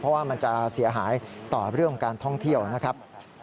เพราะว่ามันจะเสียหายต่อเรื่องของการท่องเที่ยวนะครับ